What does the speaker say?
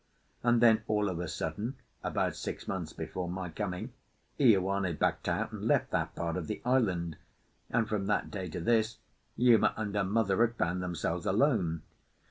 And then, all of a sudden, about six months before my coming, Ioane backed out and left that part of the island, and from that day to this Uma and her mother had found themselves alone.